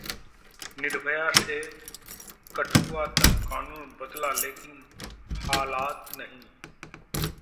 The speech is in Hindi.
निर्भया से कठुआ तक, कानून बदला लेकिन हालात नहीं